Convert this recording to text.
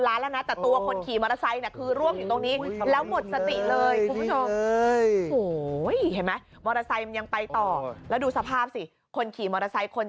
แล้วมอเตอร์ไซส์สลบเลยค่ะ